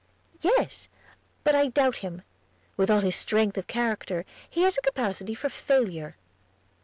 "Yes; but I doubt him. With all his strength of character he has a capacity for failure."